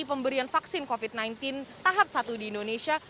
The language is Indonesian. pemberian vaksin covid sembilan belas tahap satu di indonesia